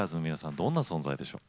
どんな存在でしょう？